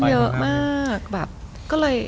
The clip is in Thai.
เยอะมากแบบก็เลย